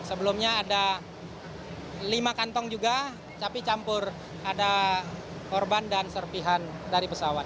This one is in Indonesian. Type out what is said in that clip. sebelumnya ada lima kantong juga tapi campur ada korban dan serpihan dari pesawat